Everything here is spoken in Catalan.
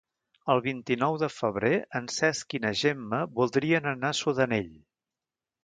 El vint-i-nou de febrer en Cesc i na Gemma voldrien anar a Sudanell.